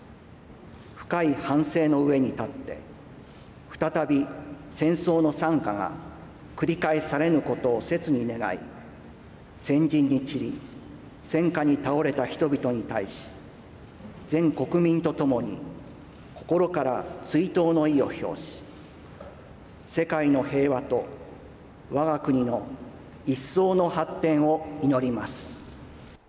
深い反省の上に立って、再び戦争の惨禍が繰り返されぬことを切に願い、戦陣に散り、戦禍に倒れた人々に対し、全国民と共に、心から追悼の意を表し、世界の平和とわが国の一層の発展を祈ります。